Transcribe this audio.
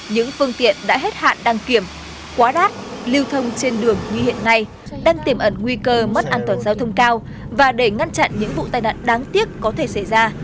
những phương tiện đã hết hạn đăng kiểm quá đát lưu thông trên đường như hiện nay đang tiềm ẩn nguy cơ mất an toàn giao thông cao và để ngăn chặn những vụ tai nạn đáng tiếc có thể xảy ra